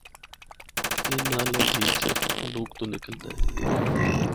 اے نالہ جھیل سیف الملوک تو نکلدا اے۔